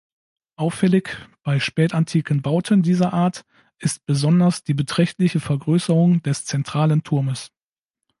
Auffällig bei spätantiken Bauten dieser Art ist besonders die beträchtliche Vergrößerung des zentralen Turmes.